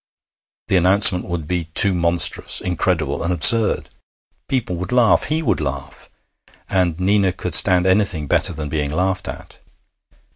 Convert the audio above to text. The announcement would be too monstrous, incredible, and absurd. People would laugh. He would laugh. And Nina could stand anything better than being laughed at.